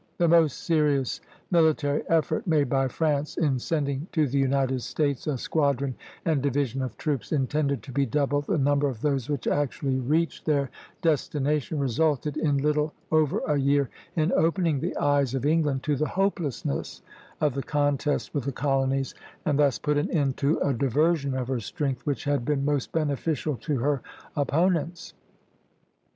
The most serious military effort made by France, in sending to the United States a squadron and division of troops intended to be double the number of those which actually reached their destination, resulted, in little over a year, in opening the eyes of England to the hopelessness of the contest with the colonies and thus put an end to a diversion of her strength which had been most beneficial to her opponents.